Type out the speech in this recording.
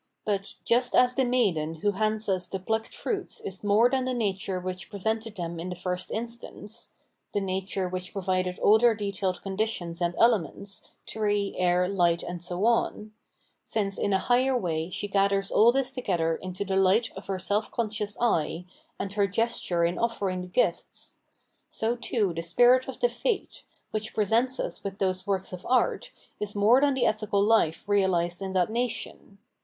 But just as the 764 Phenomenology of Mind maiden wto hands us the plucked fruits is more than the nature which presented them in the first instance the nature which provided all their detailed conditions and elements, tree, air, light and so on — since in a higher way she gathers all this together into the light of her self conscious eye, and her gesture in offering the gifts ; so too the spirit of the fate, which presents us with those works of art, is more than the ethical life realised in that nation.